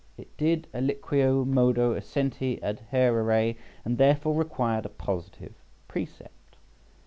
It did aliquo modo essentiæ adhærere, and therefore required a positive precept.